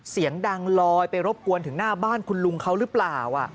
เสียงดังลอยไปรบกวนถึงหน้าบ้านคุณลุงเขาหรือเปล่า